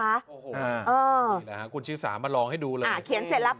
โอ้โหนี่แหละค่ะคุณชิกศามาลองให้ดูเลย